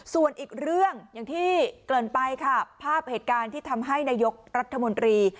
ส่วนอีกเรื่องอย่างที่เกินไปค่ะภาพเหตุการณ์ที่ทำให้นายกรัฐมนตรี